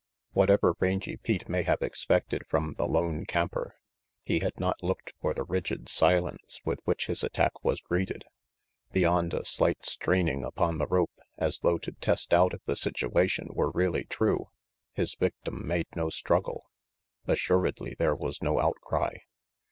Whatever Rangy Pete may have expected from the lone camper, he had not looked for the rigid silence with which his attack was greeted. Beyond a slight straining upon the rope as though to test out if the situation were really true, his victim made no struggle. Assuredly there was no outcry.